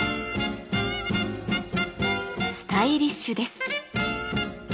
スタイリッシュです。